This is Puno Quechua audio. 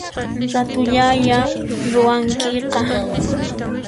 Ratullaya ruwankiqa